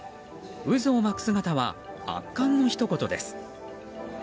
渦を巻く姿は圧巻のひと言です。